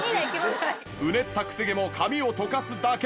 うねったクセ毛も髪をとかすだけ。